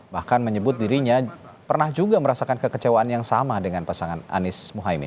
bahkan menyebut dirinya pernah juga merasakan kekecewaan yang sama dengan pasangan anies muhaymin